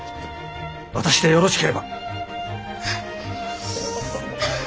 私でよろしければ。